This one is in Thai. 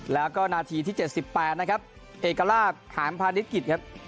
แล้วก็นาทีที่๗๘นะครับเอกลักษณ์หารพาณิชกิจครับ